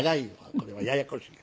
これはややこしい。